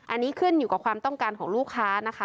อันนี้ขึ้นอยู่กับความต้องการของลูกค้านะคะ